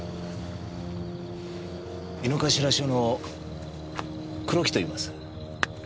井の頭署の黒木といいます。